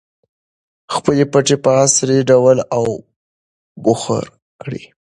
خپلې پټۍ په عصري ډول اوبخور کړئ.